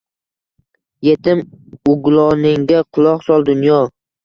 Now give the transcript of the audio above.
Etim ugloningga quloq sol dunyo